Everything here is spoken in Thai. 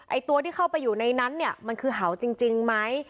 ๑ไอ้ตัวที่เข้าไปอยู่ในนั้นเนี่ยคือเหาะจริงมั้ย